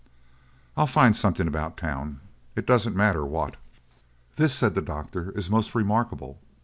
"I'll find something about town; it doesn't matter what." "This," said the doctor, "is most remarkable.